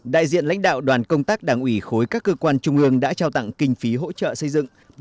đại diện lãnh đạo đoàn công tác đảng ủy khối các cơ quan trung ương đã trao tặng kinh phí hỗ trợ xây dựng